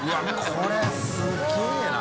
これすげぇな。